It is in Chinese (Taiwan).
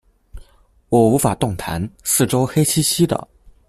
我無法動彈，四周黑漆漆的